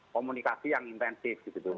komunikasi yang intensif gitu